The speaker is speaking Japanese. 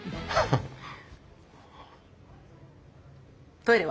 トイレは？